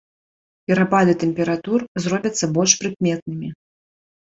Перапады тэмператур зробяцца больш прыкметнымі.